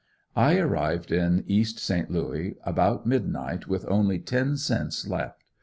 I arrived in East Saint Louis about midnight with only ten cents left.